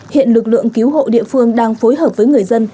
hiện lực lượng cứu hộ địa phương đang phối hợp với người dân